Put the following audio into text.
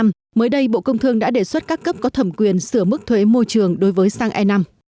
mới đây bộ công thương đã đề xuất các cấp có thẩm quyền sửa mức thuế môi trường đối với sang e năm